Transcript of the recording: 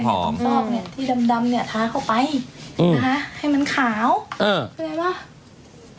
ท่องซอกนี่ที่ดำเนี่ยทาเข้าไปนะคะให้มันขาวเป็นไงป่ะ